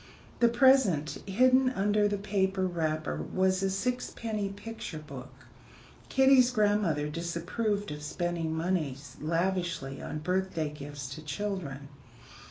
The present hidden under the paper wrapper was a sixpenny picture book. Kitty's grandmother disapproved of spending money lavishly on birthday gifts to children.